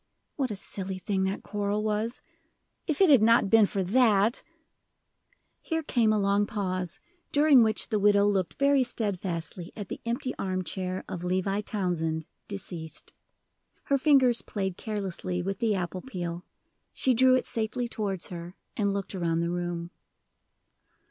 What a silly thing that quarrel was! If it had not been for that " Here came a long pause, during which the widow looked very steadfastly at the empty arm chair of Levi Townsend, deceased. Her fingers played carelessly with the apple peel: she drew it safely towards her, and looked around the room.